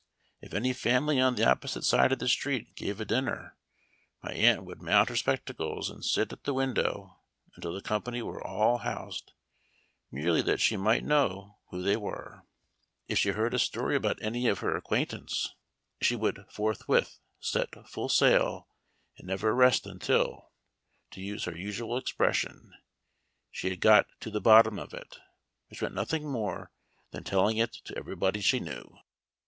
If any family on the opposite side of the street gave a dinner, my aunt would mount her spectacles and sil at the window until the company were all housed, merely that she might know who they were. If she heard a story about any of her Memoir of Washington Irving. 5 1 acquaintance she would forthwith set off full sail, and never rest until, to use her usual expression, she had got " to the bottom of it," which meant nothing more than telling it to every body she knew.